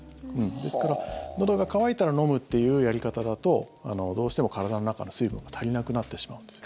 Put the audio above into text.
ですから、のどが渇いたら飲むっていうやり方だとどうしても体の中の水分が足りなくなってしまうんですよ。